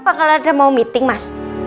bakal ada mau meeting mas